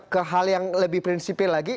ke hal yang lebih prinsipil lagi